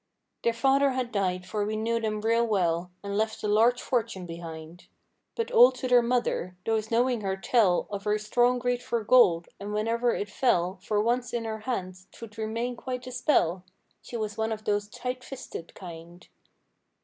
222 Their father had died 'fore we knew them real well, And left a large fortune behind; But all to their mother. Those knowing her tell Of her strong greed for gold, and whenever it fell For once in her hands, 'twould remain quite a spell. She was one of those "tight fisted" kind.